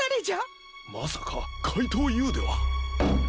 まさかかいとうＵでは？